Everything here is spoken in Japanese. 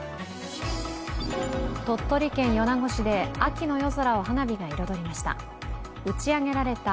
鳥取県米子市で秋の夜空を花火が彩りました。